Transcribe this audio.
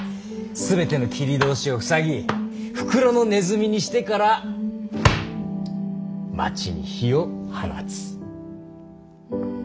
全ての切り通しを塞ぎ袋のネズミにしてから町に火を放つ。